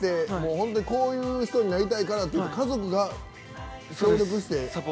本当にこういう人になりたいからって家族が協力して。